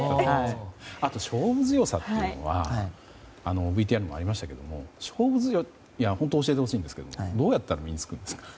あと、勝負強さというのはＶＴＲにもありましたが本当、教えてほしいんですがどうやったら身に付くんですか？